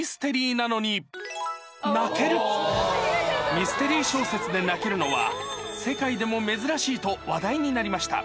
ミステリー小説で泣けるのは世界でも珍しいと話題になりました